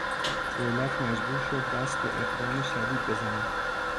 دولت مجبور شد دست به اقدام شدید بزند.